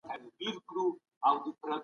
ولي مورنۍ ژبه د زده کړې خنډونه کموي؟